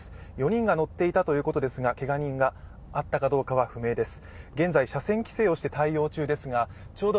４人が乗っていたということですがけが人があったかどうかは不明です。